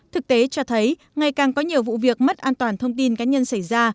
thực tế cho thấy ngày càng có nhiều vụ việc mất an toàn thông tin cá nhân xảy ra